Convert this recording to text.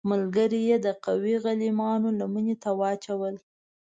ملګري یې د قوي غلیمانو لمنې ته واچول.